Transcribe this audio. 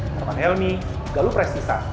teman helmy galuh prasetya